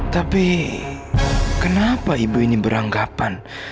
tapi kenapa ibu ini beranggapan